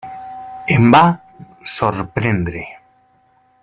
Em va sorprendre.